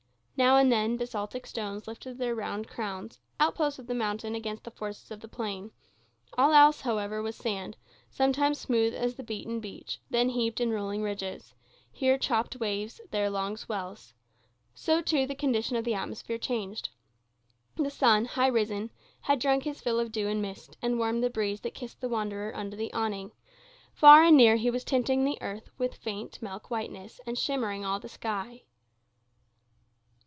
Now and then basaltic stones lifted their round crowns, outposts of the mountain against the forces of the plain; all else, however, was sand, sometimes smooth as the beaten beach, then heaped in rolling ridges; here chopped waves, there long swells. So, too, the condition of the atmosphere changed. The sun, high risen, had drunk his fill of dew and mist, and warmed the breeze that kissed the wanderer under the awning; far and near he was tinting the earth with faint milk whiteness, and shimmering all the sky.